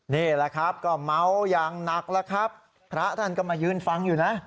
นี่แหละครับก็เมาอย่างหนักแล้วครับพระท่านก็มายืนฟังอยู่นะ